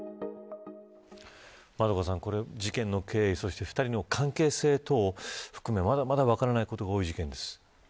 円香さん事件の経緯、２人の関係性等含め、まだまだ分からないことが多い事件です。